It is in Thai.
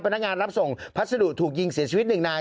พนักงานรับส่งพัสดุถูกยิงเสียชีวิตหนึ่งนาย